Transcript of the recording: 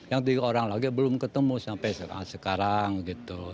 yang tiga orang lagi belum ketemu sampai sekarang gitu